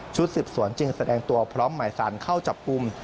สืบสวนจึงแสดงตัวพร้อมหมายสารเข้าจับกลุ่ม